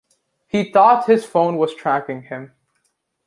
He thought his phone was tracking him.